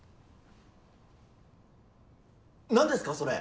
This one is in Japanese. なんですかそれ？